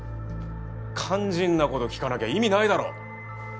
肝心なこと聞かなきゃ意味ないだろ。